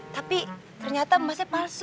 tapi ternyata emasnya palsu